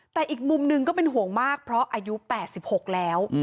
แต่อีกมุมหนึ่งก็เป็นห่วงมากเพราะอายุ๘๖แล้ว